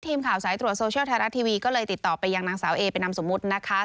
ทีมข่าวสายตรวจโซเชียลไทยรัฐทีวีก็เลยติดต่อไปยังนางสาวเอเป็นนามสมมุตินะคะ